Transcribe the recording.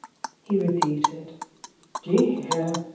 'he repeated. "D'ye hear?